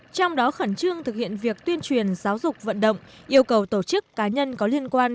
trong đó khẩn trương thực hiện việc tuyên truyền giáo dục vận động yêu cầu tổ chức cá nhân có liên quan